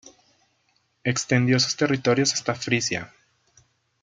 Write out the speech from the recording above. Extendió sus territorios hasta Frisia.